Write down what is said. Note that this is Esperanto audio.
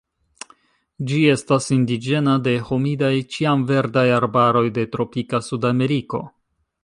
Ĝi estas indiĝena de humidaj ĉiamverdaj arbaroj de tropika Sudameriko.